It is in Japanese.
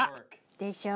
でしょ？